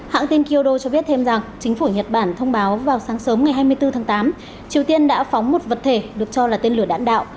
hãng tin kyodo cho biết thêm rằng chính phủ nhật bản thông báo vào sáng sớm ngày hai mươi bốn tháng tám triều tiên đã phóng một vật thể được cho là tên lửa đạn đạo